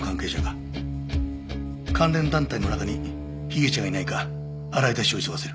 関連団体の中に被疑者がいないか洗い出しを急がせる。